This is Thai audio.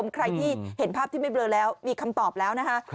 ใครที่เห็นภาพที่ไม่เบลอแล้วมีคำตอบแล้วนะคะ